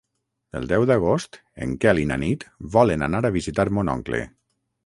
El deu d'agost en Quel i na Nit volen anar a visitar mon oncle.